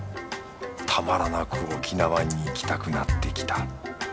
たまらなく沖縄に行きたくなってきた。